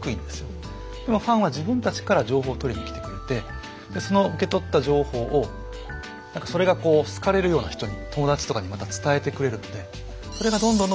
でもファンは自分たちから情報を取りに来てくれてその受け取った情報をそれが好かれるような人に友達とかにまた伝えてくれるのでそれがどんどんどんどん伝播していく。